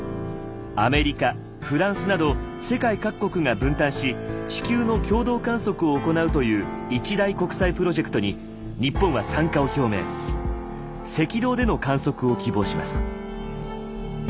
アメリカフランスなど世界各国が分担し地球の共同観測を行うという一大国際プロジェクトに赤道での観測を希望します。